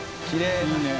いいねえ。